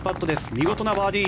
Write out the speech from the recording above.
見事なバーディー。